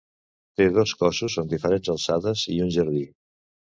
Té dos cossos en diferents alçades i un jardí.